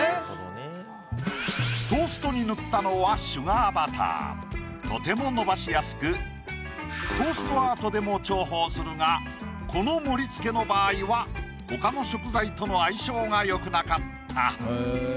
まずきてとても伸ばしやすくトーストアートでも重宝するがこの盛りつけの場合は他の食材との相性が良くなかった。